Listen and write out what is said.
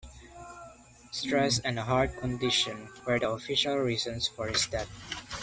Stress and a heart condition were the official reasons for his death.